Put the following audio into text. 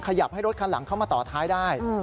ขยับให้รถคันหลังเข้ามาต่อท้ายได้